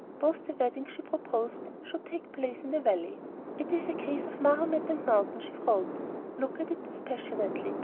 Both the weddings she proposed should take place in the Valley. "It is a case of Mahomet and mountain," she wrote. "Look at it dispassionately.